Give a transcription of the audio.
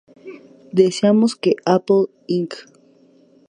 Deseamos que Apple Inc.